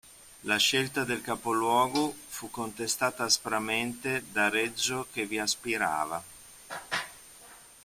La scelta del capoluogo fu contestata aspramente da Reggio che vi aspirava.